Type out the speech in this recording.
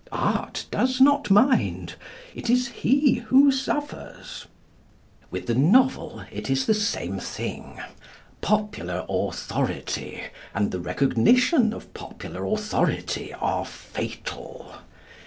Art does not mind. It is he who suffers. With the novel it is the same thing. Popular authority and the recognition of popular authority are fatal.